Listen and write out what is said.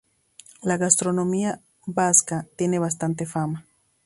La gastronomía vasca tienen bastante fama.